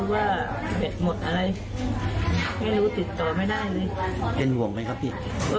เพราะว่าเขาก็บาดเก็บด้วยนี่